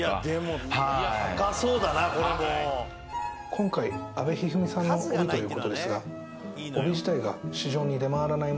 今回阿部一二三さんの帯ということですが。